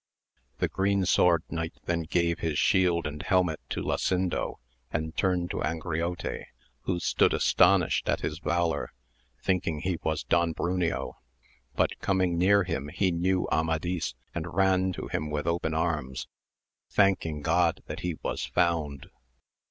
The Green Sword Knight then gave his shield and helmet to Lasindo and turned to Angriote, who stood astonished at his valour, thinking he was Don Bruneo, but coming near him he knew Amadis, and ran to him with open arms, thanking God that he was found.